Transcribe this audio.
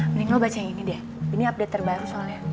mending lo baca yang ini deh ini update terbaru soalnya